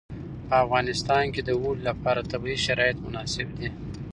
په افغانستان کې د اوړي لپاره طبیعي شرایط مناسب دي.